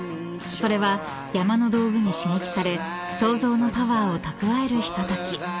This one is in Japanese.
［それは山の道具に刺激され創造のパワーを蓄えるひととき］